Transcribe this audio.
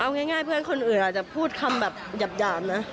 เอาง่ายเพื่อนคนอื่นอาจจะพูดคำแบบหยาบนะ